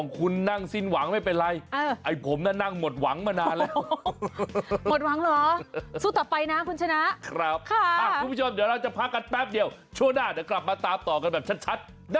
กลับมาคุยกันต่อนะ